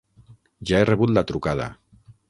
Ja he rebut la trucada.